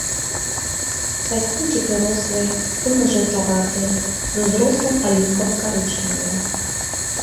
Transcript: Пласцінкі прырослыя, брудна-жаўтаватыя, з узростам аліўкава-карычневыя.